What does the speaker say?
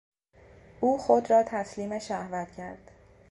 او خود را تسلیم شهوت کرد.